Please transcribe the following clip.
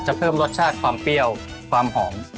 เพิ่มรสชาติความเปรี้ยวความหอม